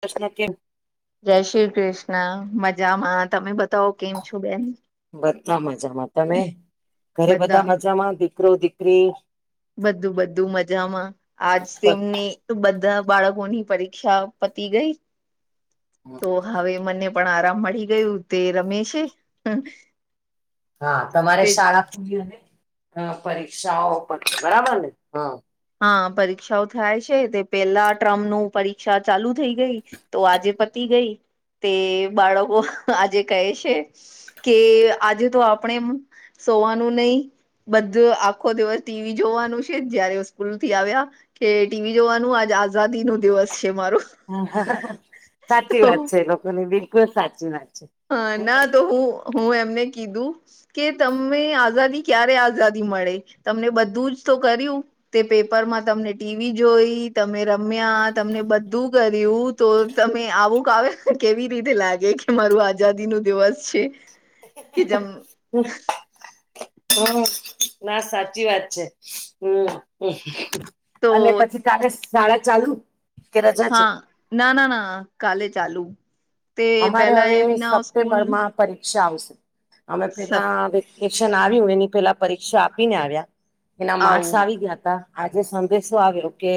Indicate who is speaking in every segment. Speaker 1: પ્રશ્ન ચેક.
Speaker 2: જય શ્રી કૃષ્ણ મજામાં તમે બતાવો કેમ છો બેન.
Speaker 1: બધા મજામાં તમે ઘરે બધા મજામાં દીકરો દીકરી.
Speaker 2: બધું બધું મજામાં આજ તેમની. તો બધા બાળકોની પરીક્ષા પતી ગઈ તો હવે મને પણ આરામ મળી ગયું તે રમે છે.
Speaker 1: હા તમારે
Speaker 2: તે
Speaker 1: શાળા ખુલીને હ પરીક્ષાઓ પ તી બરાબર ને હા.
Speaker 2: હા પરીક્ષાઓ થાય છે તે પેલા ટ્રમ્પ નું પરીક્ષા ચાલુ થઈ ગઈ તો આજે પતી ગઈ તે બાળકો આજે કહે છે. કે અજે તો આપણે સોવાનું નહી બધું આખો દિવસ ટીવી જોવાનું છે જ જયારે સ્કૂલ થી આવ્યા કે ટીવી જોવાનું આજ આઝાદી નો દિવસ છે મારો
Speaker 1: સાચી
Speaker 2: તો
Speaker 1: વાત છે લોકોની બિલકુલ સાચી વાત છે.
Speaker 2: હા ના તો હું હું એમને કીધું. કે તમને આઝાદી ક્યારે આઝાદી મળે તમને બધું જ તો કર્યું. તે પેપર માં તમને ટીવી જોઈ તમે રમ્યા તમને બધું કર્યું. તો તમે આવુંકાવ કેવી રીતે લાગે કે મારું આજ આઝાદી નો દિવસ છે કે જેમ
Speaker 1: હમ. હમ ના સાચી વાત છે હમ
Speaker 2: તો
Speaker 1: અને પછી તારે શાડા ચાલુ. કે રજા છે
Speaker 2: હા ના ના ના કાલે ચાલુ તે
Speaker 1: અમારે
Speaker 2: પેલા
Speaker 1: હવે
Speaker 2: એમના સ્કૂલ.
Speaker 1: સપ્ટેમ્બરમાં પરીક્ષા આવશે અમે
Speaker 2: સપ
Speaker 1: પેલા વેક્સનેશન આવ્યું એની પેલા પરીક્ષા આપીને આવ્યા એના માર્સ
Speaker 2: આવું
Speaker 1: આવી ગયા તા આજે સંદેશો આવ્યો કે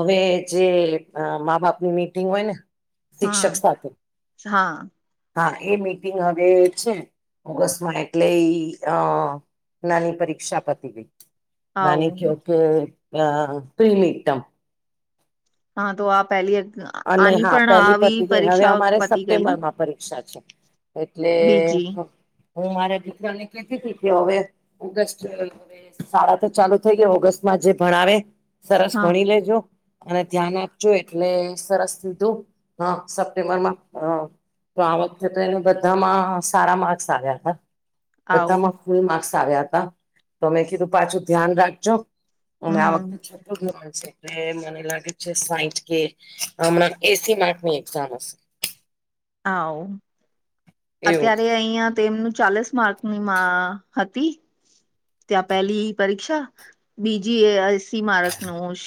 Speaker 1: હવે જે મા બાપની મીટિંગ હોય ને શિક્ષક
Speaker 2: હા
Speaker 1: સાથે
Speaker 2: હા.
Speaker 1: હા એ મીટિંગ હવે છે. ઓગસ્ટ માં એટલે ઈ અ નાની પરીક્ષા પતી ગઈ. નાની
Speaker 2: આવું
Speaker 1: કેો કે આ પ્રિમીતમ
Speaker 2: હા તો આપ પહેલી
Speaker 1: અને
Speaker 2: આની
Speaker 1: હા
Speaker 2: પણ
Speaker 1: પેલી
Speaker 2: આવી
Speaker 1: પતી ગઈ હવે
Speaker 2: પરીક્ષા
Speaker 1: અમારે
Speaker 2: પતી ગઈ ને
Speaker 1: સપ્ટેમ્બરમાં પરીક્ષા છે એટલે
Speaker 2: બીજી
Speaker 1: હું મારા દીકરાને કેતી કે હવે ઓગસ્ટ શાળા તો ચાલુ થઈ ગયા ઓગસ્ટમાં જે ભણાવ સરસ
Speaker 2: હા
Speaker 1: ભણી લેજો અને ધ્યાન આપજો એટલે સરસીધું હા સપ્ટેમ્બર માં હ તો આ વખતે તો એને બધામાં સારા માર્ક્સ આવ્યા હતા
Speaker 2: આવું
Speaker 1: બધામાં ખુલ માર્ક્સ આવ્યા હતા તમે કીધું પાછું ધ્યાન રાખજો અને આ
Speaker 2: હમ
Speaker 1: વખતે છઠુ ધોરણ છે એટલે મને લાગે છે સાઈઠ કે હમણાં એસી માર્ક્સ ની એક્ઝામ હશે
Speaker 2: હા
Speaker 1: એવું
Speaker 2: અત્યારે અહિયાં તેમનું ચાલીસ માર્ક ની માં હતી ત્યાં પેલી પરીક્ષા બીજી અશી માર્ષનું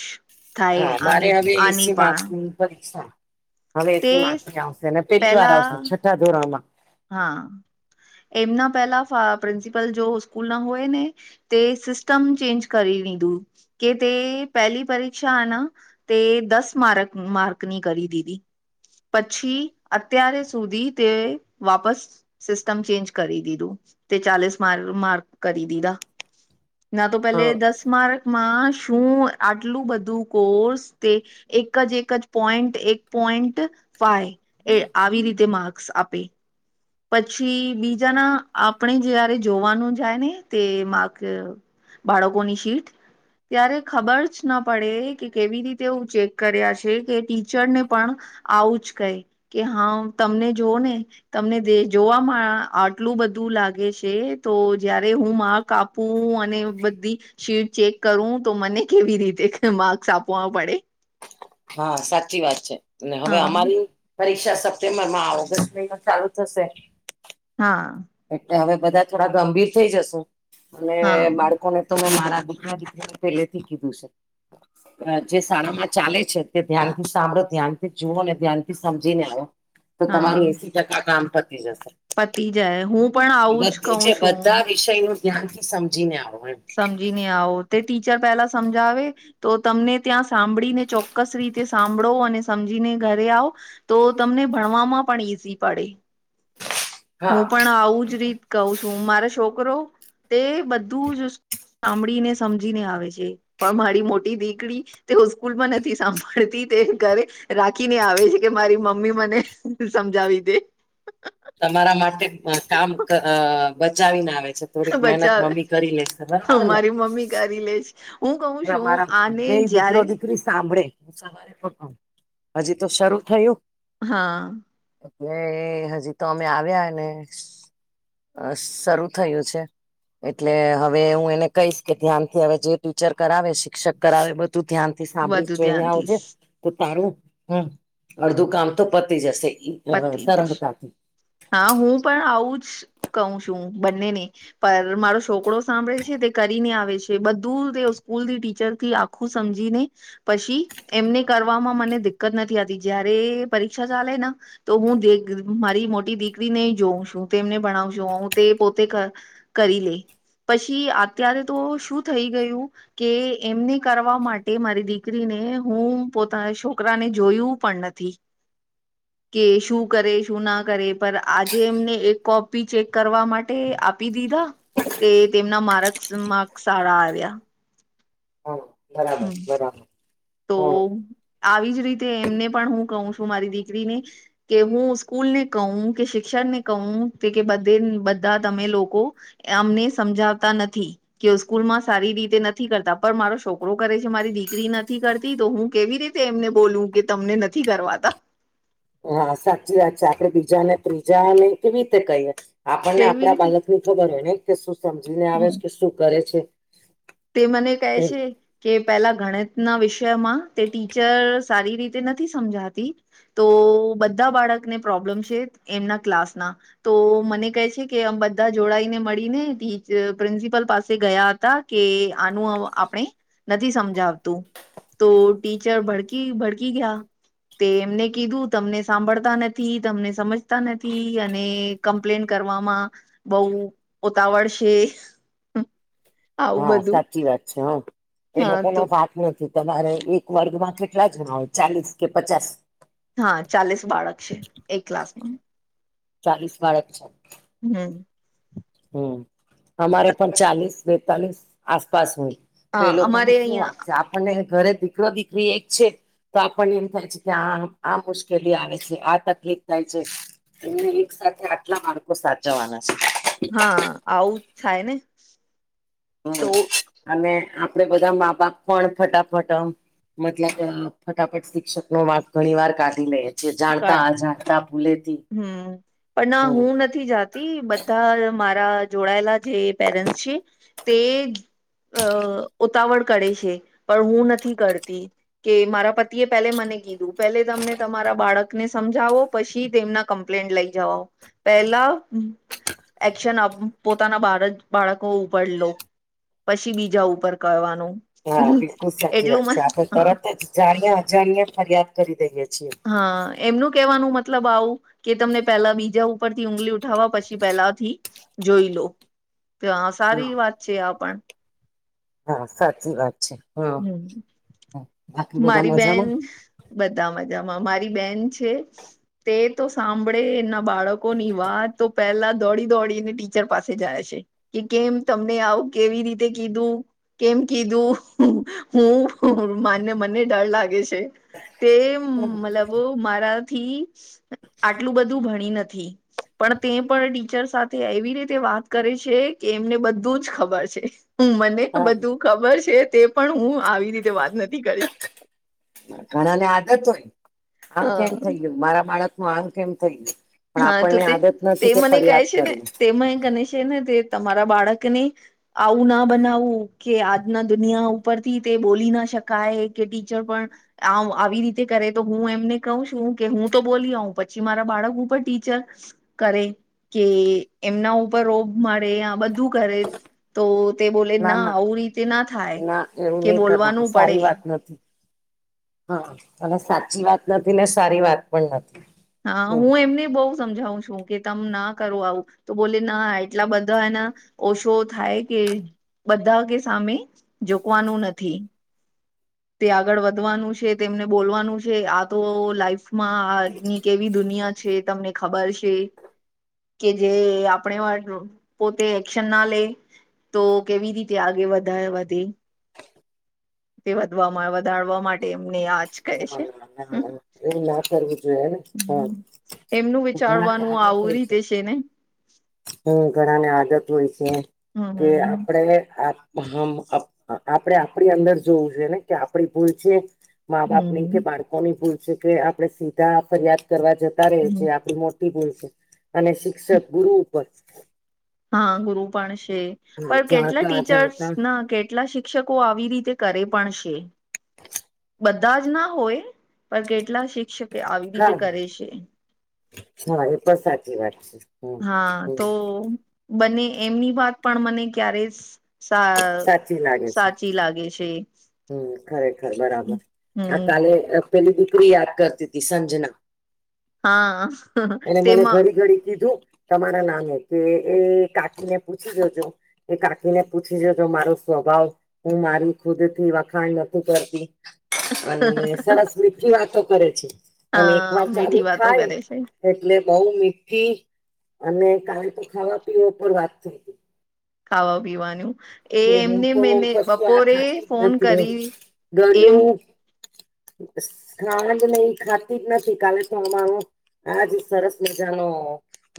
Speaker 2: થાય
Speaker 1: હા મારે
Speaker 2: આની
Speaker 1: હવે
Speaker 2: આની
Speaker 1: એસી
Speaker 2: પણ
Speaker 1: માર્ક્સની પરીક્ષા હવે
Speaker 2: તે
Speaker 1: એસી માર્ક્સ ની આવશે અને પેલી વાર
Speaker 2: પેલા
Speaker 1: આવશે છઠ્ઠા ધોરણમાં
Speaker 2: હા એમના પેલા પ્રિન્સિપલ જો સ્કૂલ ના હોય ને તે સિસ્ટમ ચેન્જ કરી લીધું કે તે પેલી પરીક્ષાના તે દસ માારક માર્ક્સ ની કરી દીદી પછી અત્ય્યારે સુધી તે વાપસ સિસ્ટમ ચેન્જ કરી દીધું તે ચાલીસ મા માર્ક કરી દીધા ના તો પેલે
Speaker 1: હા
Speaker 2: દસ માર્કમાં શું આટલું બધું કોર્સ તે એક જ એક જ પોઈન્ટ એક પોઈન્ટ ફાઈ એ આવી રીતે માર્ક્સ આપે પછી બીજાના આપણે જયારે જોવાનું જાય ને તે માક બાડોકોની શીટ ત્યારે ખબર જ ના પડે કે કેવી રીતે એ ચેક કર્યા છે કે ટીચરને પણ આવું જ કઈ કે હા તમને જોવ ને તમને જોવાવામાં આટલું બધું લાગે છે તો જયારે હું મા કાપવું અને બધી શીટ ચેક કરવું તો મને કેવી રીતે માર્ક્સ આપવા પડે
Speaker 1: હા સાચી વાત છે અને હવે
Speaker 2: હા
Speaker 1: અમારી પરીક્ષા સપ્ટેમ્બર માં ઓગસ્ટ મહિનો ચાલુ થશે
Speaker 2: હા
Speaker 1: એટલે હવે બધા થોડા ગંભીર થઈ જશુ અને
Speaker 2: હા
Speaker 1: બાળકોને તો મેં મારા દીકરા દીરા પહેલેથી કીધું છે જે શાળામાં ચાલે છે તે ધ્યાન થી સાંભળો ધ્યાન થી જુઓ ને ધ્યાન થી સમજીને આવો તો તમારું એસી ટકા કામ પતી જશે
Speaker 2: પતિ જાય હું પણ આવું જ કઉ છું
Speaker 1: એનું ધ્યાનથી સમજીને આવ
Speaker 2: સમજીીને આઓ તે ટીચર પહેલા સમજાવે તો તમને ત્યાં સાંભળીને ચોક્કસ રીતે સાંભળો અને સમજીને ઘરે આવો તો તમને ભણવામાં પણ ઈઝી પડે
Speaker 1: હા
Speaker 2: હું પણ આવું જ રીત કહું છું મારા છોકરો તે બધું જ સાંભળીને સમજીને આવે છે પણ મારી મોટી દીકરી તેઓ સ્કૂલ માં નથી સાંભળતી તે ઘરે રાખીને આવે છે કે મારી મમ્મી મને સમજાવી દે
Speaker 1: તમારા માટે કામ બચાવીને આવે છે થોડીક મહેનત
Speaker 2: બચ્ચા
Speaker 1: મમ્મી કરી લેશેર ને
Speaker 2: મારી મમ્મી કરી લેશ હું કઉ
Speaker 1: હવે
Speaker 2: છું
Speaker 1: અમારા
Speaker 2: આને
Speaker 1: બે દીકરો
Speaker 2: જયારે
Speaker 1: સાંભળે હ સવારેક હજી તો શરૂ થયું
Speaker 2: હા
Speaker 1: એ હજી તો અમે આવ્યા ને અ શરૂ થયું છે એટલે હવે હું એને કહીશ કે ધ્યાન થી હવે જે [unintelligible] કરાવે શિક્ષક કરાવે બધું ધ્યાન થી સાંભળી
Speaker 2: વધુ
Speaker 1: જોઈ ને
Speaker 2: ધ્યાનથી
Speaker 1: આવજે તો તારું હ અડધું કામ તો પતી જશે
Speaker 2: પતી જશે
Speaker 1: સરળતાથી
Speaker 2: હા હું પણ આવું જ કહ છું બંનેને પર મારો છોકરોો સાંભળે છે તે કરીને આવે છે બધું તે સ્કૂલ થી ટીચરથી આખું સમજીને પછી એમને કરવામાં મને દિકકત નથી આવતી જયારે પરીક્ષા ચાલે ને તો હું દેગ મારી મોટી દીકરીને જોઉં છું તેમને ભણાવશું હું તે પોતે કરી લે પછી અત્યારે તો શું થઈ ગયું કે એમને કરવા માટે મારી દીકરીને હું પોતાના છોકરાને જોયું પણ નથી કે શું કરે શું ના કરે પર આજે એમને એક કોપી ચેક કરવા માટે આપી દીધા તે તેમના માર્ક માર્કસ સારા આવ્યા
Speaker 1: હા બરાબર
Speaker 2: હમ્મ
Speaker 1: બરાબર
Speaker 2: તો
Speaker 1: હમ
Speaker 2: આવી જ રીતે એમને પણ હું કહું છું મારી દીકરીને કે હું સ્કૂલ ને કહું કે શિક્ષણ ને કહ કે કે બધ બધા તમે લોકો અમને સમજાવતા નથી કે સ્કૂલ માં સારી રીતે નથી કરતા પણ મારો શોખ છોકરો કરે છે મારી દીકરી નથી કરતી તો હું કેવી રીતે એમને બોલું કે તમને નથી કરવાતા
Speaker 1: હા સાચી વાત છે આપડે બીજાને ત્રીજાને કેવી રીતે કહીએએ આપણને
Speaker 2: કેવી
Speaker 1: આપણા
Speaker 2: રીતે
Speaker 1: બાલક ની ખબર હોય ને કે શું સમજીને આવે
Speaker 2: હમ
Speaker 1: છે કે શું કરે છે
Speaker 2: તે મને કહે
Speaker 1: એમ
Speaker 2: છે કે પેલા ગણિત ના વિષયમાં તે ટીચર સારી રીતે નથી સમજાતી તો બધા બાળકને પ્રોબ્લેમ છે એમના ક્લાસના તો મને કહે છે કે આમ બધા જોડાઈને મળીને ટી પ્રિન્સિપલ પાસે ગયા હતા કે આનું આપણે નથી સમજાવતું તો ટીચર ભડકી ભડકી ગયા તે એમને કીધું તમને સાંભળતા નથી તમને સમજતા નથી અને કમ્પ્લેન કરવામાં બહુ ઉતાવળ છે આવું
Speaker 1: હા
Speaker 2: બધું
Speaker 1: સાચી વાત છે હ એ
Speaker 2: હા
Speaker 1: લોકો ન
Speaker 2: તો
Speaker 1: સા નથી તમારે એક વર્ગમાં કેટલા જણા હોય ચાલીસ કે પચાસ
Speaker 2: હા ચાલીસ બાળક છે એક ક્લાસ માં
Speaker 1: ચાલીસ બાળક છે
Speaker 2: હમ્મ
Speaker 1: હમ્મ અમારે પણ ચાલીસ બેતાલીસ આસપાસ હોય તો
Speaker 2: હા
Speaker 1: એ લોકો ન
Speaker 2: અમારે
Speaker 1: શું વાક
Speaker 2: અહિયાં
Speaker 1: છે આપણને ઘરે દીકરા દીકરી એક છે તો આપણ એમ થાય છે કે આ આ મુશ્કેલી આવે છે આ તકલીફ થાય છે એમને એક સાથે આટલા બાળકો સાચવવાના છે
Speaker 2: હા આવું જ થાય ને
Speaker 1: હમ્મ
Speaker 2: તો
Speaker 1: અને આપડે બધા મા બાપ પણ ફટાફટ મતલબ ફટાફટ શિક્ષક નો માર્ગ ઘણી વાર કાઢી લે જે જાણતા
Speaker 2: કાઢ
Speaker 1: અજણતા ભૂલેતી હમ્મ
Speaker 2: થી જતી બધા મારા જોડાયેલા જે પેરેન્ટસ છે તે અ ઉતાવળ કરે છે પણ હું નથી કરતી કે મારા પતિએ પેલે મને કીધું પેલે તમને તમારા બાળકને સમજાવો પછી તેમના કમ્પ્લેન્ટ લઈ જવાઓ પેલા એક્શન પોતાના બાળ બાળકો ઉપાર લો પછી બીજા ઉપર કરવાનું
Speaker 1: હા બિલકુલ સાચી
Speaker 2: એટલું
Speaker 1: વાત
Speaker 2: હ
Speaker 1: છે આપણે તરત જ જાણ્યા અજાણય ફરિયાદ કરી દઈએ છીએ
Speaker 2: હા એમનું કેવાનું મતલબ આવું કે તમને પેલા બીજા ઉપરથી ઊગલી ઉઠાવવા પછી પહેલાથી જોઈ લો તો સારી
Speaker 1: હા.
Speaker 2: વાત છે આ પણ
Speaker 1: હા સાચી વાત છે હા બાકી
Speaker 2: હમ
Speaker 1: બધા
Speaker 2: મારી
Speaker 1: મજામાં
Speaker 2: બેન બધા મજામાં મારી બેન છે તે તો સાંભળે એના બાળકો ની વાત તો પહેલા દોડી દોડીને ટીચર પાસે જાય છે કે કેમ તમને આવું કેવી રીતે કીધું કેમ કીધું હું મને ડર લાગે છે તે મતલબ મારાથી આટલું બધું ભણી નથી પણ તે પણ ટીચર સાથે એવી રીતે વાત કરે છે કે એમને બધું જ ખબર છે હ મને બધું ખબર છે તે પણ હું આવી રીતે વાત નથી કરી
Speaker 1: ઘણા ને આદત હોય આમ
Speaker 2: હા
Speaker 1: કેમ થય ગયું મારા બાળક નું આમ કેમ થઈ ગયું
Speaker 2: હા તો
Speaker 1: પણ આપણને
Speaker 2: તે
Speaker 1: આદત
Speaker 2: તે
Speaker 1: નથી કે
Speaker 2: મને કહે
Speaker 1: ફરિયાદ
Speaker 2: છે ને
Speaker 1: કરીએ
Speaker 2: તેમાં ગને છે ને તે તમારા બાળકની આવું ના બનાવવું કે આજના દુનિયા ઉપરથી તે બોલી ના શકાય કે ટીચર પણ આવ આવી રીતે કરે તો હું એમને કઉ છું કે હું તો બોલી આવ પછી મારા બાળક પડ ટીચર કરે કે એમના ઉપર રોગ મળે આ બધું કરે તો તે બોલે ના આવું રીતે ના થાય
Speaker 1: ના એવું
Speaker 2: કે
Speaker 1: નહી કરવાનું
Speaker 2: બોલવાનું પડે.
Speaker 1: સારી
Speaker 2: [inaudible] [inaudible]
Speaker 1: વાત નથી હા અને સાચી વાત નથી ને સારી વાત પણ નથી.
Speaker 2: હા
Speaker 1: હમ
Speaker 2: હું એમને બઉ. સમજાવું છું કે તમ ના કરો આવું તો બોલે ના એટલા બધા એને. ઓશો થાય કે બધા કે સામે જોકવાનું નથી. તે આગળ વધવાનું છે તેમને બોલવાનું છે આ તો લાઈફ. માં ની કેવી દુનિયા છે તમને ખબર છે. કે જે આપણે વાર પોતે એક્શન ના લે. તો કેવી રીતે આગે વધારે વધે. વધમાં વધારવા માટે એમને આ.
Speaker 1: [unintelligible] એવું નાં કરવું જોઈ હેણે.
Speaker 2: એમનું
Speaker 1: હા
Speaker 2: વિચારવાનું
Speaker 1: ઘણા
Speaker 2: આવું
Speaker 1: [unintelligible] છે
Speaker 2: રીતે ને
Speaker 1: હું ઘણાને આદત હોય છે કે
Speaker 2: હમ
Speaker 1: આપણેે. હ આપે આપડી અંદર જોવું છે ને કે આપડી ભૂલ છે. મા બાપ ની કે
Speaker 2: હમ
Speaker 1: બાળકોની ભૂલ છે કે આપણે સીધા ફરિયાદ કરવા જતા રઈ
Speaker 2: હમ.
Speaker 1: છે આપડે મો [unintelligible] અને શિક્ષક ગુરુ ઉપર
Speaker 2: હા ગુરુ પણ છે
Speaker 1: હા
Speaker 2: પણ કેટલા
Speaker 1: જાણતા
Speaker 2: ટીચર્સ
Speaker 1: જાણતા
Speaker 2: ના કેટલા સિખ શિક્ષકો આવી રીતે કરે પણ છે.
Speaker 1: [inaudible]
Speaker 2: બધા જ ના હોય પણ કેટલા શિક્ષકે આવી
Speaker 1: હા
Speaker 2: રીતે
Speaker 1: હા
Speaker 2: કરે છે.
Speaker 1: હા એ પણ સાચી વાત છે. હમ
Speaker 2: હા
Speaker 1: હમ
Speaker 2: તો બને એમની વાત પણ મને ક્યારે. સા
Speaker 1: સાચી લાગે છે
Speaker 2: સાચી લાગે છે.
Speaker 1: હમ ખરેખર બરાબર આ
Speaker 2: હમ
Speaker 1: કાલે પેલી દીકરી યાદ કરતી હતી સંજના.
Speaker 2: હા
Speaker 1: અને મને
Speaker 2: તેમાં
Speaker 1: ઘડી ઘડી કીધું. તમારા નામે કે એ કાકીને પૂછી જોજો. એ કાકીને પૂછી જોજો મારો સ્વભાવ હું મારી ખુદ. વખાણ નથી કરતી અને સરસ [unintelligible] વાતો કરે છે અને એક
Speaker 2: હા
Speaker 1: વાર ચાલુ
Speaker 2: મીઠી વાતો
Speaker 1: થાય.
Speaker 2: કરે છે
Speaker 1: એટલે બઉ મીઠી અને કાલ તો ખાવા પીવા પર વાત થઈ.
Speaker 2: ખાવા પીવાનું. એ
Speaker 1: કે હું
Speaker 2: એમને
Speaker 1: તો
Speaker 2: મેને
Speaker 1: કશું આ
Speaker 2: બપોરે
Speaker 1: ખાતી જ
Speaker 2: ફોન
Speaker 1: નથી એમ
Speaker 2: કરી એમ
Speaker 1: ગળ્યું સ ખાન્ડને ઈ ખાતી જ નથી કાલે તો અમાવો આજ સરસ મજાનો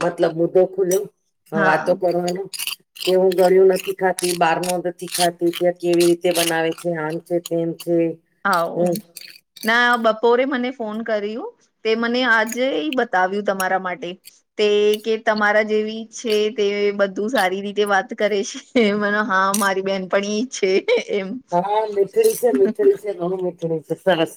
Speaker 1: મતલબ મુદ્દો ખુલ્યો. હ
Speaker 2: હા
Speaker 1: વાતો કરવાનો કે હું ગળ્યું નથી ખા કંઈ બારનુ નથી ખાતી ત્યાં કેવી રીતે બનાવે છે, આમ છે તેમ છે.
Speaker 2: હા ઉ
Speaker 1: હમ
Speaker 2: ના બપોરે મને ફોન કર્યું તે મને આજેય બતાવ્યું તમારા માટે. તે કે તમારા જેવી છે તે બધું સારી રીતે વાત કરે છે. એ મને હા મારી બહેનપણી છે. એમ
Speaker 1: હા મીઠડી છે મીઠડી છે ઘણું મીઠડી છે સરસ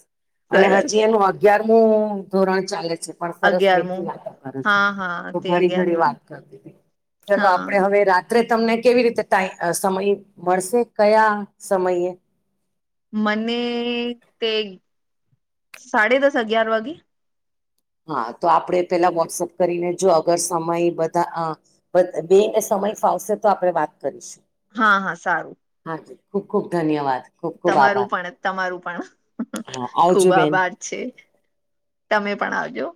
Speaker 1: અને
Speaker 2: સરસ
Speaker 1: હજી એનું અગિયારમું ધોરણ ચાલે છે. પણ સરસ
Speaker 2: અગિયારમું
Speaker 1: મેઠી વાતો કરે છે
Speaker 2: હા હા
Speaker 1: તો
Speaker 2: તે
Speaker 1: ઘડી ઘડી
Speaker 2: અગિયારમું
Speaker 1: વાત કરતી તી. ચાલો
Speaker 2: હા
Speaker 1: આપડે હવે રા ત્રે તમને કેવી રીતે ટાઈ સમય મળશે કયા સમયે?
Speaker 2: મને તે સાડે દસ અગિયાર વાગી.
Speaker 1: હા તો આપડે પેહલા વોટ્સઅપ કરીને જો અગર સમય બધા અ બેયને સમય ફાવશે તો આપણે વાત કરીશું.
Speaker 2: હા હા સારું.
Speaker 1: હા જી ખૂબ ખૂબ ધન્યવાદ. ખુબ ખુબ
Speaker 2: તમારું
Speaker 1: આભાર
Speaker 2: પણ તમારું પણ
Speaker 1: હા આવજો
Speaker 2: ખુબ
Speaker 1: બેન.
Speaker 2: આભાર. છે તમે પણ આવજો.